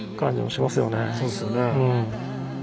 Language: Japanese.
そうですよね。